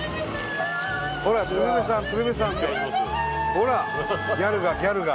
ほらギャルがギャルが。